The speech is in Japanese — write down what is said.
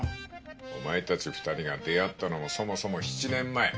お前たち２人が出会ったのもそもそも７年前。